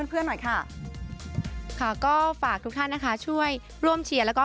เพื่อนหน่อยค่ะค่ะก็ฝากทุกท่านนะคะช่วยร่วมเชียร์แล้วก็